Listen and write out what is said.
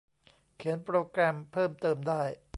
เขียนโปรแกรมเพิ่มเติมได้